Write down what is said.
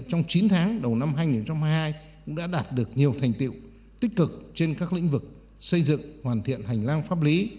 trong chín tháng đầu năm hai nghìn hai mươi hai cũng đã đạt được nhiều thành tiệu tích cực trên các lĩnh vực xây dựng hoàn thiện hành lang pháp lý